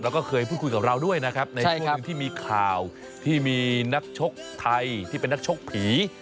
แล้วก็เคยพูดคุยกับเราด้วยนะครับในช่วงที่มีข่าวที่มีนักชกไทยที่เป็นนักชกผี